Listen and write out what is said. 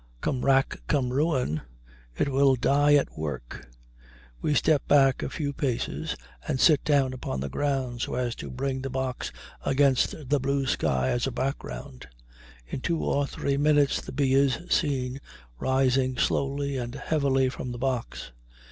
Come rack, come ruin, it will die at work. We step back a few paces, and sit down upon the ground so as to bring the box against the blue sky as a background. In two or three minutes the bee is seen rising slowly and heavily from the box.